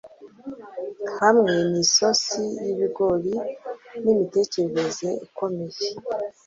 hamwe ni sosi y'ibigori n'imitekerereze ikomeye